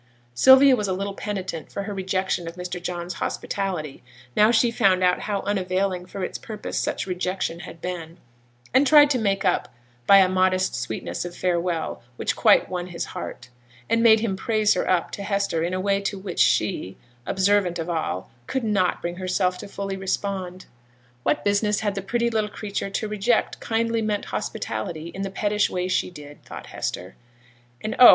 Sylvia was a little penitent for her rejection of Mr. John's hospitality, now she found out how unavailing for its purpose such rejection had been, and tried to make up by a modest sweetness of farewell, which quite won his heart, and made him praise her up to Hester in a way to which she, observant of all, could not bring herself fully to respond. What business had the pretty little creature to reject kindly meant hospitality in the pettish way she did, thought Hester. And, oh!